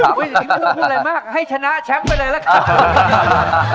เชิญไปไม่ต้องคงมากให้ชนะแชมพไปเลยล่ะครับ